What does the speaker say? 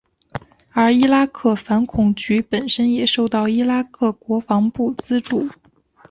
而伊拉克反恐局本身也受到伊拉克国防部资助。